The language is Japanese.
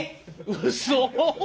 うそ？